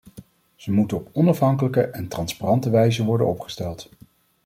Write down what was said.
Ze moeten op onafhankelijke en transparante wijze worden opgesteld.